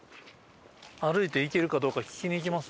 歩いていけるかどうか聞きに行きます？